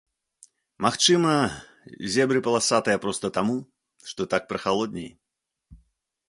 Магчыма, зебры паласатыя проста таму, што так прахалодней.